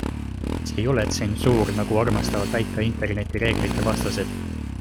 See ei ole tsensuur, nagu armastavad väita internetireeglite vastased.